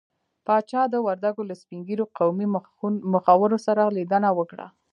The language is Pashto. پاچا د وردګو له سپين ږيرو قومي مخورو سره ليدنه وکړه.